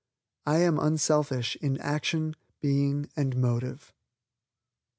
"I am unselfish in action, being and motive."